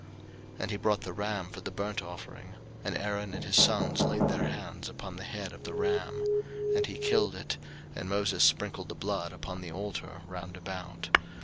03:008:018 And he brought the ram for the burnt offering: and Aaron and his sons laid their hands upon the head of the ram. 03:008:019 And he killed it; and Moses sprinkled the blood upon the altar round about.